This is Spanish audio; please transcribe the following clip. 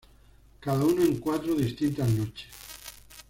Cada uno en cuatro distintas noches.